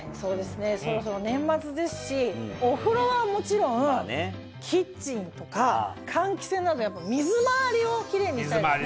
そろそろ年末ですしお風呂場はもちろんキッチンとか換気扇などやっぱり水回りをキレイにしたいですね。